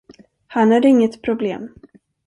Han är inget problem.